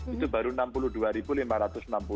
itu baru enam puluh dua lima ratus enam puluh